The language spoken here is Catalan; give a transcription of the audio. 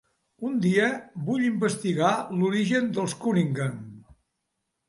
Un dia vull investigar l'origen dels Cunningham.